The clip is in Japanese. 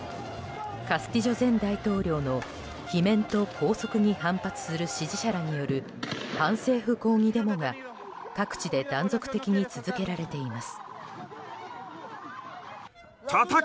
カスティジョ前大統領の罷免と拘束に反発する支持者らによる反政府抗議デモが各地で断続的に続けられています。